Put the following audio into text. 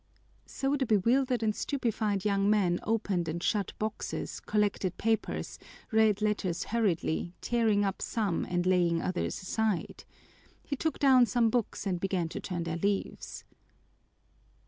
So the bewildered and stupefied young man opened and shut boxes, collected papers, read letters hurriedly, tearing up some and laying others aside. He took down some books and began to turn their leaves.